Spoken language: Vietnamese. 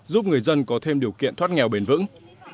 giúp người dân có thêm điều kiện thoát nghèo bền vững